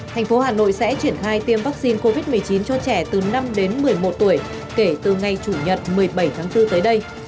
thành phố hà nội sẽ triển khai tiêm vaccine covid một mươi chín cho trẻ từ năm đến một mươi một tuổi kể từ ngày chủ nhật một mươi bảy tháng bốn tới đây